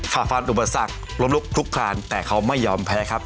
ขาฟานอุบัติศักดิ์ล้มลุกทุกครานแต่เขาไม่ยอมแพ้ครับ